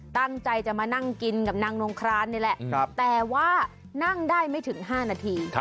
ตั้งใจจะมานั่งกินกับนางนงครานนี่แหละแต่ว่านั่งได้ไม่ถึง๕นาที